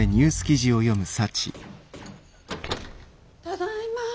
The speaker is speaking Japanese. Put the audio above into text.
ただいま。